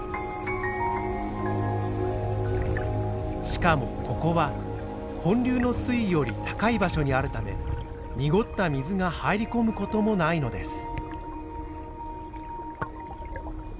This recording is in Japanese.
しかもここは本流の水位より高い場所にあるため濁った水が入り込む事もないのです。